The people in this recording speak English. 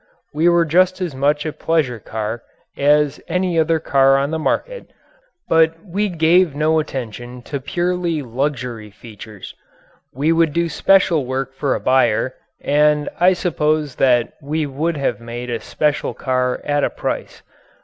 We were just as much a pleasure car as any other car on the market, but we gave no attention to purely luxury features. We would do special work for a buyer, and I suppose that we would have made a special car at a price.